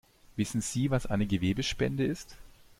Wissen Sie, was eine Gewebespende ist?